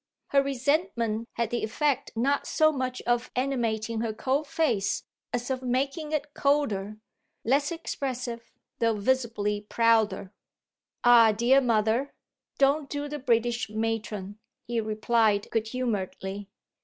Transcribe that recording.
Her resentment had the effect not so much of animating her cold face as of making it colder, less expressive, though visibly prouder. "Ah dear mother, don't do the British matron!" he replied good humouredly.